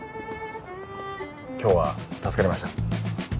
今日は助かりました。